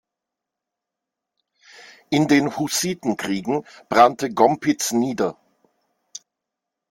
In den Hussitenkriegen brannte Gompitz nieder.